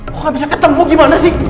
kok gak bisa ketemu gimana sih